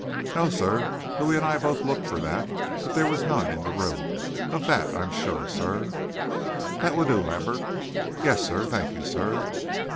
"No, sir; Louis and I both looked for that, but there was none in the room. Of that I'm sure, sir." "That will do, Lambert." "Yes, sir; thank you, sir."